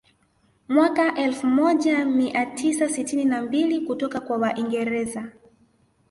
Mwaka elfu moja mia tisa sitini na mbili kutoka kwa waingereza